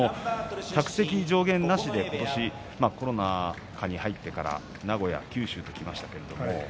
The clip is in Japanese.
客席上限なしで今年コロナ禍に入ってから名古屋、九州ときました。